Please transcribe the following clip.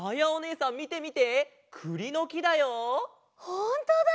ほんとだ！